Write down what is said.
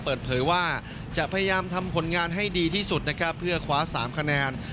เปิดเผยว่าจะพยายามทำผลงานให้ดีที่สุดนะครับเพื่อคว้า๓คะแนน